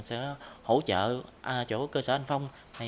sẽ hỗ trợ chỗ cơ sở anh phong